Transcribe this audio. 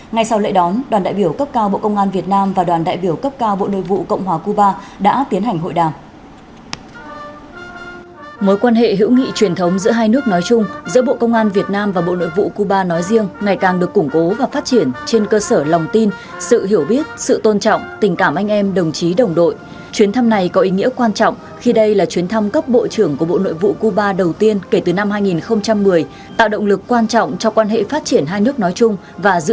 ngay sau lễ đón đoàn đại biểu cấp cao bộ công an việt nam và đoàn đại biểu cấp cao bộ nội vụ cộng hòa cuba đã tiến hành hội đàm